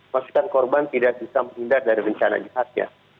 maksudkan korban tidak bisa menghindar dari rencana jahatnya